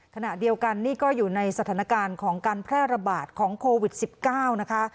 ขณะเดียวกันนี่ก็อยู่ในสถานการณ์ของการแพร่ระบาดของโควิด๑๙นะคะ